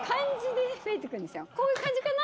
こういう感じかな？